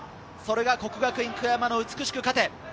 それが國學院久我山の「美しく勝て」。